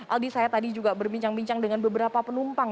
aldi saya tadi juga berbincang bincang dengan beberapa penumpang